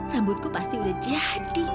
rambutku pasti udah jadi nih